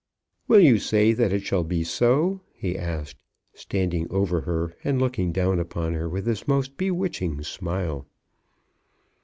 "Will you say that it shall be so?" he asked, standing over her, and looking down upon her with his most bewitching smile.